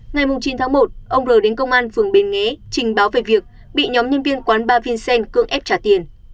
ngày chín tháng một ông r đến công an phường bến nghế trình báo về việc bị nhóm nhân viên quán bar vincent cưỡng ép trả tiền